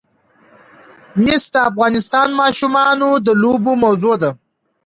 مس د افغان ماشومانو د لوبو موضوع ده.